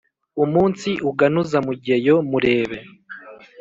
umunsi uganuza mugeyo murebe